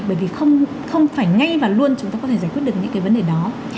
bởi vì không phải ngay và luôn chúng ta có thể giải quyết được những cái vấn đề đó